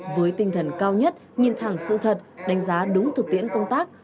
với tinh thần cao nhất nhìn thẳng sự thật đánh giá đúng thực tiễn công tác